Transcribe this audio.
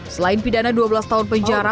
selain pidana dua belas tahun penjara